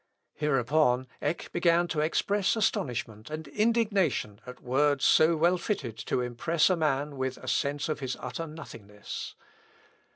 " Hereupon Eck began to express astonishment and indignation at words so well fitted to impress man with a sense of his utter nothingness.